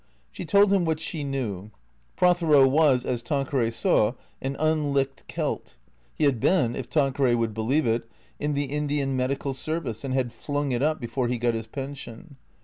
She told him what she knew. Prothero was, as Tanqueray saw, an unlicked Celt. He had been, if Tanqueray would be lieve it, in the Indian Medical Service, and had flung it up be fore he got his pension.